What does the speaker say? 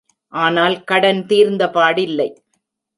ஆனால் கடன் தீர்ந்தபாடில்லை.